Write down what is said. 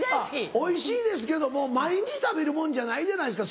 おいしいですけども毎日食べるもんじゃないじゃないですか。